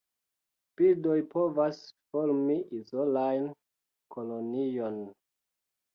Birdoj povas formi izolajn koloniojn.